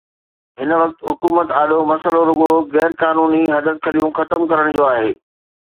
هن وقت حڪومت آڏو مسئلو رڳو غير قانوني حددخليون ختم ڪرڻ جو آهي.